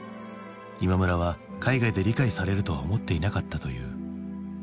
今村は海外で理解されるとは思っていなかったという。